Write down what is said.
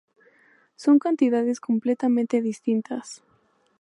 Son cantidades completamente distintas.